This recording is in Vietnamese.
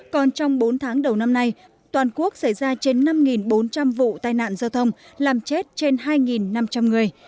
còn trong bốn tháng đầu năm nay toàn quốc xảy ra trên năm bốn trăm linh vụ tai nạn giao thông làm chết trên hai năm trăm linh người